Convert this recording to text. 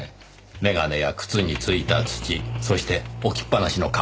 眼鏡や靴についた土そして置きっぱなしの鞄。